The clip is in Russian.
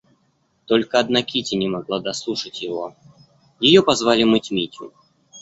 Только одна Кити не могла дослушать его, — ее позвали мыть Митю.